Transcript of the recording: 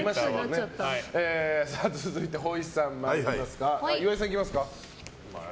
続いて、ほいさん参りますか。